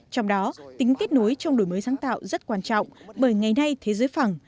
trong đó tính kết nối trong đổi mới sáng tạo rất quan trọng bởi ngày nay thế giới phẳng